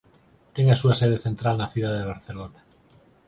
Ten a súa sede central na cidade de Barcelona.